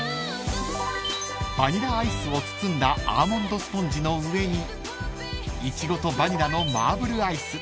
［バニラアイスを包んだアーモンドスポンジの上にイチゴとバニラのマーブルアイス］